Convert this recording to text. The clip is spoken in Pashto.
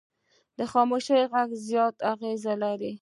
د خاموشي غږ زیات اغېز لري